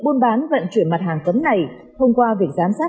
buôn bán vận chuyển mặt hàng cấm này thông qua việc giám sát